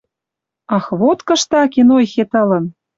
Ах, вот кыштакен ойхет ылын! —